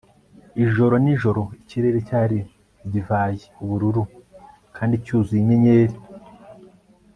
Ijoro nijoro ikirere cyari divayiubururu kandi cyuzuye inyenyeri